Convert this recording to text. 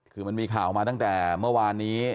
คือมันมีข่าวมาตั้งแต่เมื่อวานนี้